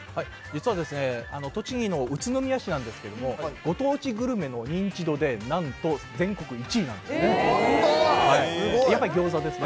実はですね、栃木の宇都宮市なんですけれども、ご当地グルメの認知度で、なんと全国１位なんです。